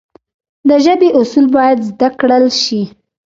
د ژبي اصول باید زده کړل سي.